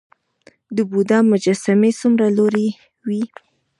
د بودا مجسمې څومره لوړې وې؟